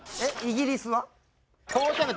イギリスは？